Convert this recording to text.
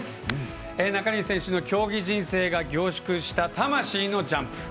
中西選手の競技人生が凝縮した魂のジャンプ。